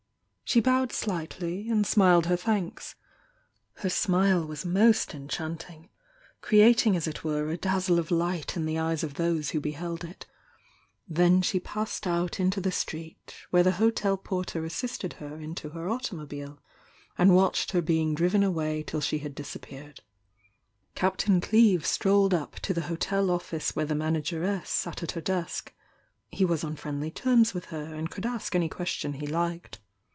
She bowed sliditly and smiled her thanks her smile was most endianting, creating as it were a dazzle of light m 332 THE YOUNG DIANA 888 the eyes of those who beheld it, — then she passed out into Uie street, where the hotel porter assisted her into her automobile, and watched her being driven away till she had disappeared. Captain Cleeve strolled up to the hotel office where the man ageress sat at her desk, — ^he was on friendly terms with her, and could ask any question he liked.